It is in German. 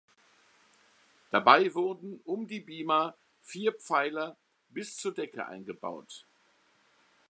Dabei wurden um die Bima vier Pfeiler bis zur Decke eingebaut.